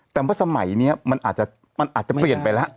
แต่ว่าสมัยนี้มันอาจจะเปลี่ยนไปแล้ว